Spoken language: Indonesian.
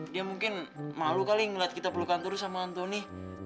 dia mungkin malu kali ngeliat kita pelukan turis sama antoni